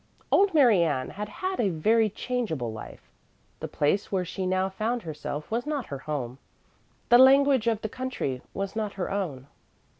Old Mary Ann had had a very changeable life. The place where she now found herself was not her home. The language of the country was not her own.